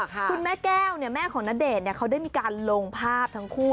คุณแม่แก้วแม่ของณเดชน์เขาได้มีการลงภาพทั้งคู่